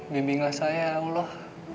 bimbinglah saya ya allah